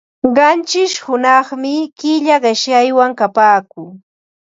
Qanchish hunaqmi killa qishyaywan kapaakun.